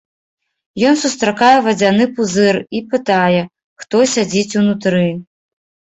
Ён сустракае вадзяны пузыр і пытае, хто сядзіць унутры.